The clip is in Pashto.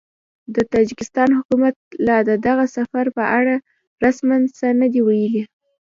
د تاجکستان حکومت لا د دغه سفر په اړه رسماً څه نه دي ویلي